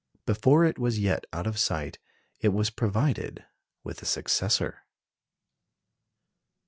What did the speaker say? Before it was yet out of sight, it was provided with a successor.